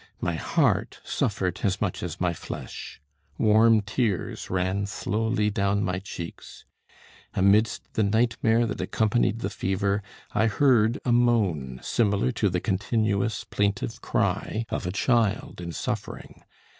My heart suffered as much as my flesh. Warm tears ran slowly down my cheeks. Amidst the nightmare that accompanied the fever, I heard a moan similar to the continuous plaintive cry of a child in suffering.